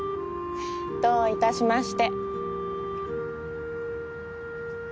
どういたしまして。